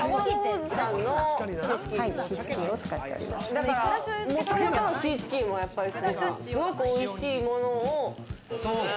だから、もともとシーチキンも、すごくおいしいものを。